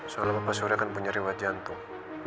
soalnya bapak surya kan punya riwat jantung